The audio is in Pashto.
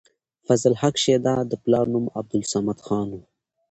فضل حق شېدا د پلار نوم عبدالصمد خان وۀ